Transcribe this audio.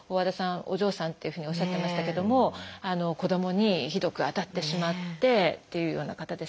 お嬢さんっていうふうにおっしゃってましたけども子どもにひどく当たってしまってっていうような方ですとか